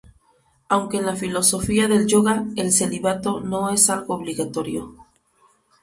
Aunque en la filosofía del yoga el celibato no es algo obligatorio.